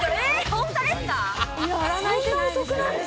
本当ですか？